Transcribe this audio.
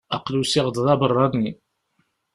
Aql-i usiɣ-d d abeṛṛani.